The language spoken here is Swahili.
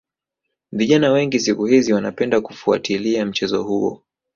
Vijana wengi siku hizi wanapenda kufuatilia mchezo huu